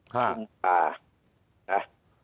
คือป่า